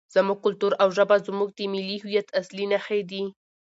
زموږ کلتور او ژبه زموږ د ملي هویت اصلي نښې دي.